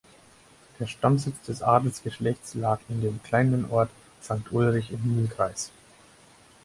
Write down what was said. Der Stammsitz des Adelsgeschlechts lag in dem kleinen Ort Sankt Ulrich im Mühlkreis.